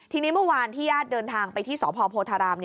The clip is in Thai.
ทีนี้เมื่อวานที่ญาติเดินทางไปที่สพโพธาราม